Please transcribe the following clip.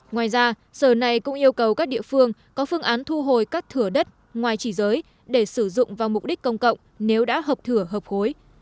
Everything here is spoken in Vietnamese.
ngoài ra sở này cũng yêu cầu các địa phương có phương án thu hồi các thửa đất ngoài chỉ giới để sử dụng vào mục đích công cộng nếu đã hợp thửa hợp hối